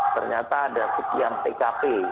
ternyata ada sekian pkp